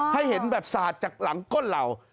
ให้เห็นแบบสาดจากหลังก้นเหล่า